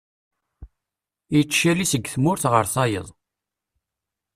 Yettcali seg tmurt ɣer tayeḍ.